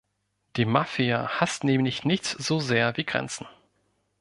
Die Mafia haßt nämlich nichts so sehr wie Grenzen.